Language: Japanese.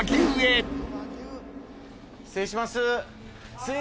失礼します。